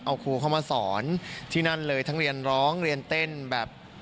เอาครูเข้ามาสอนที่นั่นเลยทั้งเรียนร้องเรียนเต้นแบบ